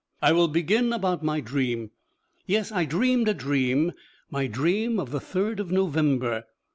I will begin about my dream. Yes, I dreamed a dream, my dream of the third of November.